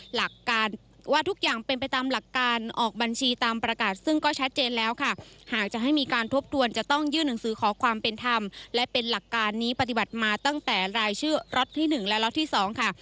หลักการว่าทุกอย่างเป็นไปตามหลักการออกบัญชีตามประกาศซึ่งก็ชัดเจนแล้วค่ะหากจะให้มีการทบทวนจะต้องยื่นหนังสือขอความเป็นธรรมและเป็นหลักการนี้ปฏิบัติมาตั้งแต่รายชื่อล็อตที่๑และล็อตที่๒ค่ะ